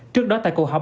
trước đó tại cuộc họp